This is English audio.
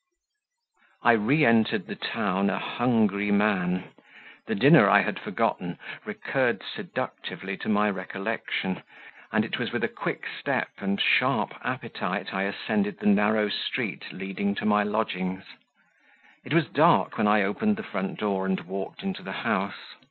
I RE ENTERED the town a hungry man; the dinner I had forgotten recurred seductively to my recollection; and it was with a quick step and sharp appetite I ascended the narrow street leading to my lodgings. It was dark when I opened the front door and walked into the house.